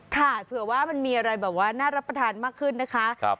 เผื่อว่ามันมีอะไรแบบว่าน่ารับประทานมากขึ้นนะคะ